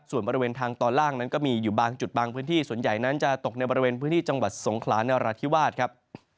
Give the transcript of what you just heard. ส่วนบริเวณทางตอนล่างนั้นก็มีอยู่บางจุดบางพื้นที่ส่วนใหญ่นั้นจะตกในบริเวณพื้นที่จังหวัดสงขลานราธิวาสครับ